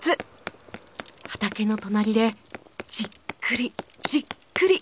畑の隣でじっくりじっくり。